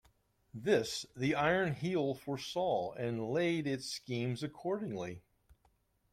This the Iron Heel foresaw and laid its schemes accordingly.